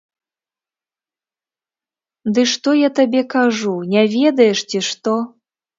Ды што я табе кажу, не ведаеш, ці што?